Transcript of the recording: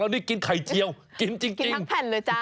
นี่กินไข่เจียวกินจริงกินทั้งแผ่นเลยจ้า